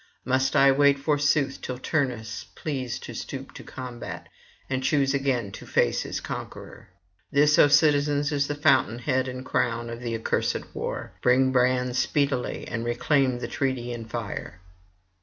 Must I wait forsooth till Turnus please to stoop to combat, and choose again to face his conqueror? This, O citizens, is the fountain head and crown of the accursed war. Bring brands speedily, and reclaim the treaty in fire.'